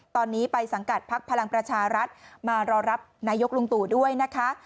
ตอนนี้ไปสังกัดพักพลังประชารัฐมารอรับนายกลุงตู่ด้วยนะคะ